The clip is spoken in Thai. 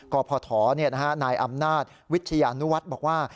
พทนายอำนาจวิทยานุวัฒน์บอกว่า